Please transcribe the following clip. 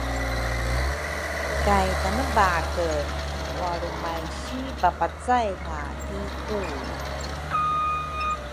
kay Tanebake wa-lrumay si papacay-nga ki Kui.